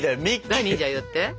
何じゃあやって。